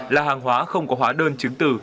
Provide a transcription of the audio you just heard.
là hàng hóa không có hóa đơn chứng từ